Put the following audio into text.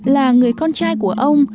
là người con trai của ông